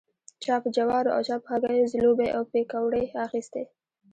چا په جوارو او چا په هګیو ځلوبۍ او پیکوړې اخيستې.